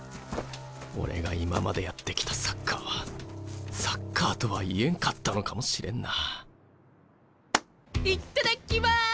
俺が今までやってきたサッカーはサッカーとは言えんかったのもしれんなあ。いっただっきます！